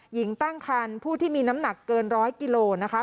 หญิงตั้งคันผู้ที่มีน้ำหนักเกินร้อยกิโลนะคะ